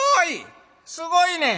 すごいね。